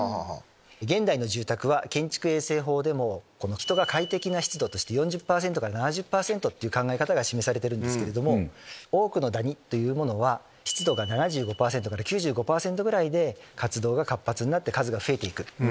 現代の住宅は建築衛生法でも人が快適な湿度として４０％から７０％って考え方が示されてるんですけど多くのダニというものは湿度が７５％から９５％ぐらいで活動が活発になって数が増えていく。